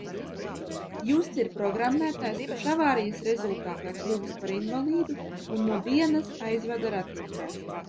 Justs ir programmētājs, kurš avārijas rezultātā kļuvis par invalīdu un nu dienas aizvada ratiņkrēslā.